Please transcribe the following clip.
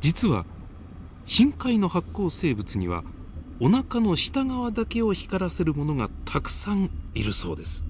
実は深海の発光生物にはおなかの下側だけを光らせるものがたくさんいるそうです。